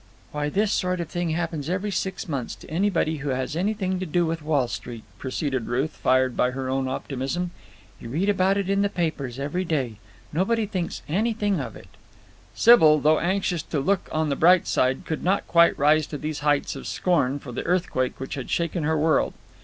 "Why, this sort of thing happens every six months to anybody who has anything to do with Wall Street," proceeded Ruth, fired by her own optimism. "You read about it in the papers every day. Nobody thinks anything of it." Sybil, though anxious to look on the bright side, could not quite rise to these heights of scorn for the earthquake which had shaken her world.